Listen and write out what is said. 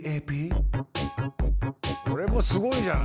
これもすごいじゃない。